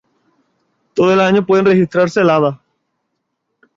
Todo el año pueden registrarse heladas.